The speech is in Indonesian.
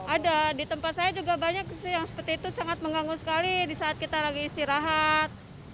ada di tempat saya juga banyak yang seperti itu sangat mengganggu sekali di saat kita lagi istirahat